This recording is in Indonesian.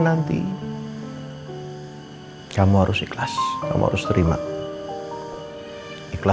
nanti aku akan berada di rumahnya